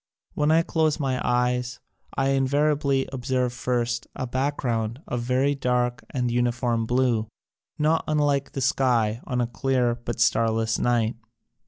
When I close my eyes I invariably observe first, a back ground of very dark and uniform blue, not unlike the sky on a clear but starless night.